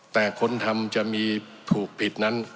แต่คนทำจะมีถูกผิดนั้น